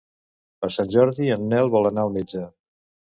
Per Sant Jordi en Nel vol anar al metge.